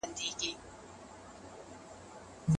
ښه ذهنیت جنجال نه پیدا کوي.